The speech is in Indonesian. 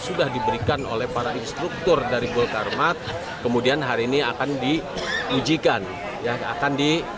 sudah diberikan oleh para instruktur dari bulkarmat kemudian hari ini akan diujikan yang akan di